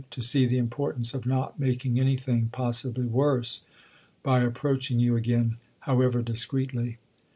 —to see the importance of not making anything possibly worse by approaching you again, however discreetly.